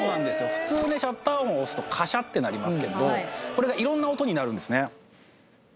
普通ねシャッター音を押すと「カシャ」ってなりますけどこれが色んな音になるんですね